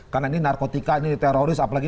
karena ini narkotika ini teroris apalagi